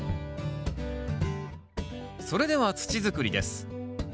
それでは土づくりです。